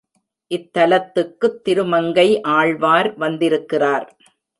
இத்தலத்துக்குத் திருமங்கை ஆழ்வார் வந்திருக்கிறார்.